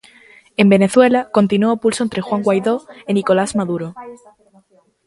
En Venezuela, continúa o pulso entre Juan Guaidó e Nicolás Maduro.